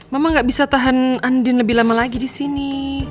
mama gak bisa tahan andin lebih lama lagi di sini